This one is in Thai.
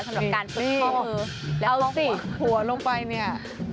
สำหรับการซึ่งข้อมือเอาลงหัวหัวลงไปเนี่ย